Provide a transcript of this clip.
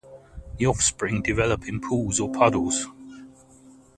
The offspring develop in pools or puddles.